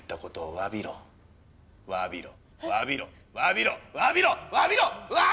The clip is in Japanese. わびろわびろわびろわびろわびろわびろ！